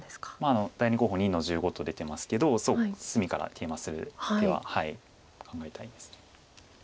第２候補２の十五と出てますけどそう隅からケイマする手は考えたいです。